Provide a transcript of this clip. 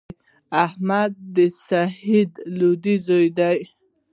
احمد د سعید لودی زوی دﺉ.